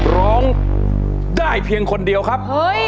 ร้องได้เพียงคนเดียวครับ